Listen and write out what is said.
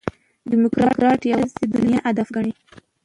ډيموکراټ یوازي دنیا هدف ګڼي.